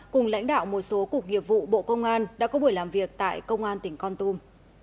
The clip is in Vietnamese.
cùng lãnh đạo một số cục nghiệp vụ bộ công an đã có buổi làm việc tại công an tỉnh con tum